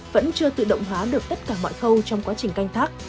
vẫn chưa tự động hóa được tất cả mọi khâu trong quá trình canh thác